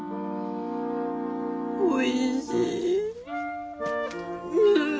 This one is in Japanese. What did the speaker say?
おいしい。